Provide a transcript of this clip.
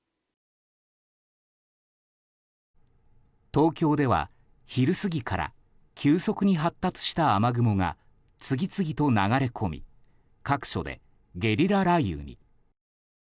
東京では昼過ぎから急速に発達した雨雲が次々と流れ込み各所でゲリラ雷雨に。